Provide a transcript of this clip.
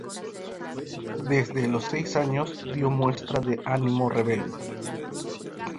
Desde los seis años dio muestras de ánimo rebelde.